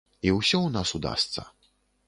І ўсё ў нас удасца.